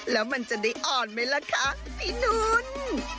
แล้วมันจะได้อ่อนไหมล่ะคะพี่นุน